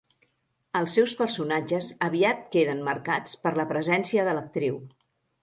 Els seus personatges aviat queden marcats per la presència de l'actriu.